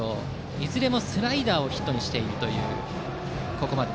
いずれもスライダーをヒットにしているというここまで。